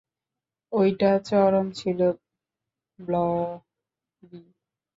ঐটা চরম ছিলো, ব্লবি।